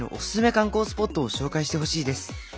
観光スポットを紹介してほしいです」。